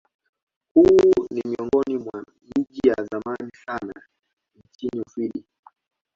Huu ni miongoni mwa miji ya zamani sana nchini Uswidi.